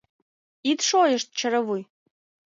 Ит шойышт, чаравуй!